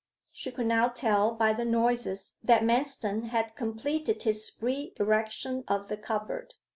She could now tell by the noises that Manston had completed his re erection of the cupboard.